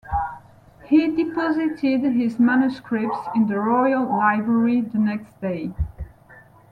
He deposited his manuscripts in the Royal Library the next day.